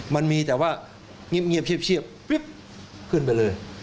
มันมีแต่ว่าเงียบเชียบขึ้นไปเลย